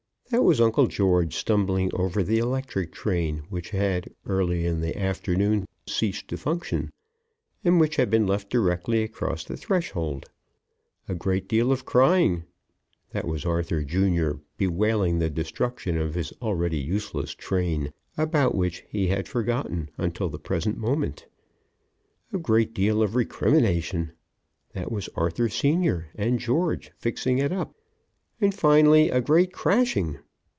That was Uncle George stumbling over the electric train, which had early in the afternoon ceased to function and which had been left directly across the threshold. A great deal of crying! That was Arthur, Jr., bewailing the destruction of his already useless train, about which he had forgotten until the present moment. A great deal of recrimination! That was Arthur, Sr., and George fixing it up. And finally a great crashing!